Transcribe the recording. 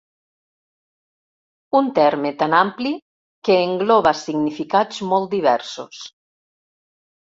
Un terme tan ampli que engloba significats molt diversos.